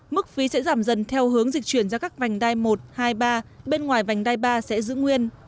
mức phí sẽ giảm dần theo hướng dịch chuyển ra các vành đai một hai ba bên ngoài vành đai ba sẽ giữ nguyên